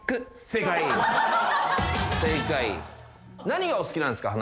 何がお好きなんですか？